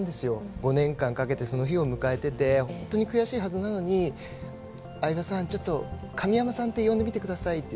５年間かけてその日を迎えてて本当に悔しいはずなのに相葉さん、ちょっと上山さんって呼んでみてくださいって